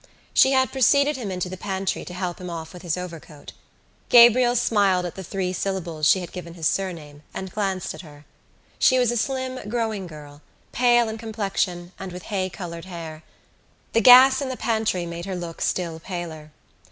She had preceded him into the pantry to help him off with his overcoat. Gabriel smiled at the three syllables she had given his surname and glanced at her. She was a slim, growing girl, pale in complexion and with hay coloured hair. The gas in the pantry made her look still paler.